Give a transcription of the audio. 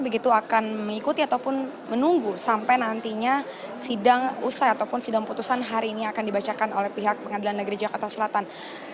begitu akan mengikuti ataupun menunggu sampai nantinya sidang usai ataupun sidang putusan hari ini akan dibacakan oleh pihak pengadilan negeri jakarta selatan